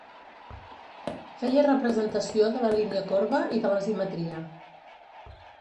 Feia representació de la línia corba i de l'asimetria.